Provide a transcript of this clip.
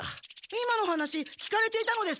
今の話聞かれていたのですか？